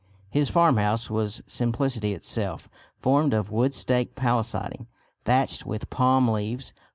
His farmhouse was simplicity itself, formed of wood stake palisading thatched with palm leaves.